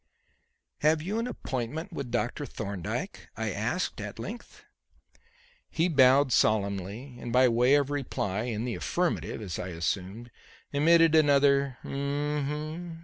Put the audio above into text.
"Have you an appointment with Dr. Thorndyke?" I asked, at length. He bowed solemnly, and by way of reply in the affirmative, as I assumed emitted another "hm hm."